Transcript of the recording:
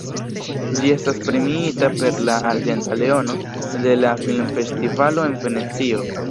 Ĝi estis premiita per la »Arĝenta Leono« de la filmfestivalo en Venecio.